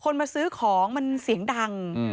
มาซื้อของมันเสียงดัง